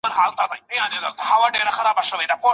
هغه وویل چي موږ ډېري مڼې راوړي.